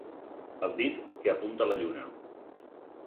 El dit que apunta la lluna